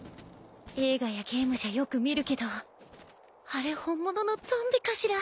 映画やゲームじゃよく見るけどあれ本物のゾンビかしら？